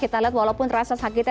kita lihat walaupun rasa sakitnya